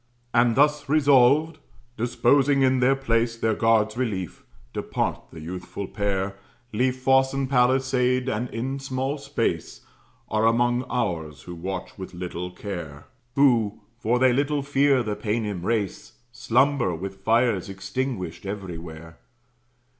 And thus resolved, disposing in their place Their guard's relief, depart the youthful pair, Leave fosse and palisade, and in small space Are among ours, who watch with little care; Who, for they little fear the Paynim race, Slumber with fires extinguished everywhere.